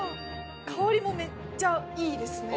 香りもめっちゃいいですね。